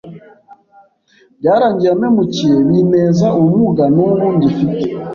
byarangiye ampemukiye binteza ubumuga n’ubu ngifite,